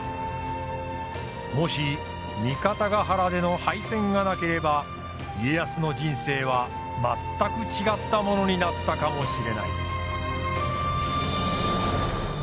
もし三方ヶ原での敗戦がなければ家康の人生は全く違ったものになったかもしれない。